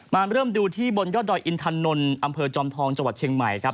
มาเริ่มดูที่บนยอดดอยอินทานนท์อำเภอจอมทองจังหวัดเชียงใหม่ครับ